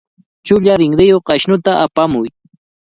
Chulla rinriyuq ashnuta apamuy.